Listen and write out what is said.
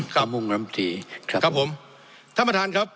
ครับมุ่งน้ำตีครับครับผมท่านประธานครับ